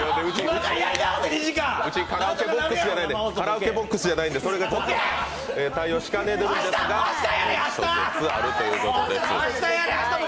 うち、カラオケボックスじゃないので、対応しかねてるんですが、諸説あるということです。